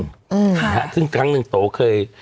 ค่ะซึ่งครั้งนึงโตเคย